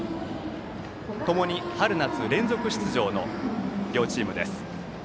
ともに春夏連続出場の両チームです。